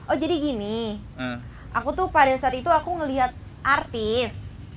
oh jadi gini aku tuh pada saat itu aku ngeliat artis